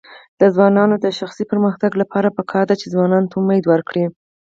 د ځوانانو د شخصي پرمختګ لپاره پکار ده چې ځوانانو ته امید ورکړي.